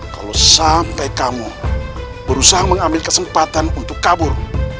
kalau sampai kamu berusaha mengambil kesempatan untuk kabur